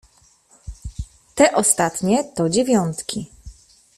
"Te ostatnie to dziewiątki."